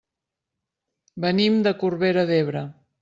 Venim de Corbera d'Ebre.